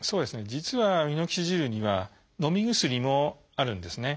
実はミノキシジルにはのみ薬もあるんですね。